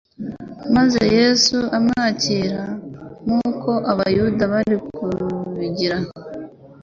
maze Yesu amwakira nk'uko abayuda bari kubigira.